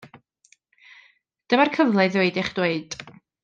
Dyma'r cyfle i ddweud eich dweud.